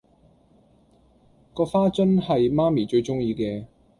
嗰花樽係媽咪最鍾意嘅